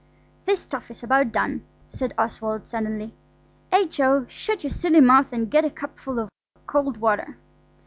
"This toffee's about done," said Oswald suddenly. "H.O., shut your silly mouth and get a cupful of cold water."